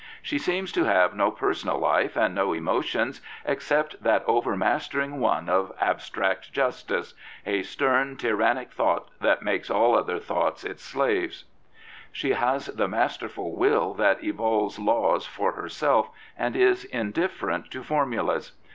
She seems to have no personal life and no emotions except that overmastering one of abstract justice — a /Stem, tyrannic thought that makes ^All other thoughts its slave. She has the masterful will that evolves laws for her self, and is indifferent to formulas.